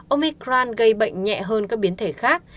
omicron gây bệnh nhẹ hơn các biến thể khác